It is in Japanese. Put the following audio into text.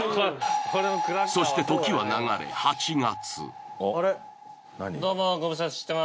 そして時は流れ８月。